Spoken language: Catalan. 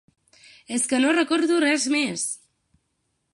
És que no recordo res més!